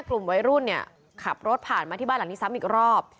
กลุ่มวัยรุ่นเนี่ยขับรถผ่านมาที่บ้านหลังนี้ซ้ำอีกรอบ